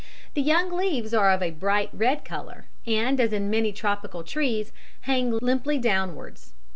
The young leaves are of a bright red colour, and, as in many tropical trees, hang limply downwards.